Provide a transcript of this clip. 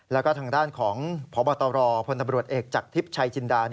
แล้วก็ทางด้านของพบตรพลตำรวจเอกจากทิพย์ชัยจินดา